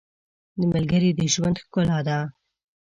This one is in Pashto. • ملګری د ژوند ښکلا ده.